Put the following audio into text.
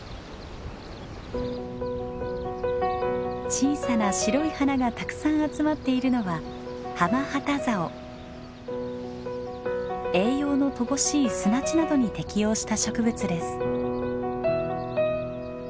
小さな白い花がたくさん集まっているのは栄養の乏しい砂地などに適応した植物です。